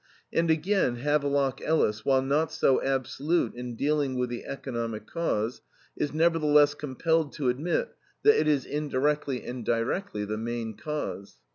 And again Havelock Ellis, while not so absolute in dealing with the economic cause, is nevertheless compelled to admit that it is indirectly and directly the main cause.